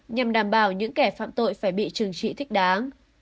nhằm đảm bảo những kẻ phạm tội phải bị trừng trị thích đáng